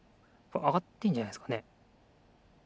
あがってんじゃないですかね？